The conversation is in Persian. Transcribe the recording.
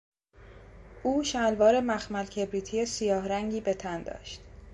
او شلوار مخمل کبریتی سیاهرنگی به تن داشت.